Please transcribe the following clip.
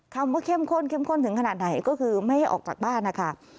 คำว่าเข้มข้นเข้มข้นถึงขนาดไหนก็คือไม่ออกจากบ้านนะคะ